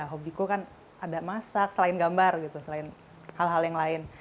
hobiku kan ada masak selain gambar gitu selain hal hal yang lain